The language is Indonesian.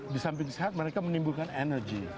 di samping sehat mereka menimbulkan energi